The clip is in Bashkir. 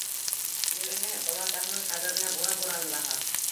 — Йөрөнө, олатаһының ҡәберенә бура бураны лаһа.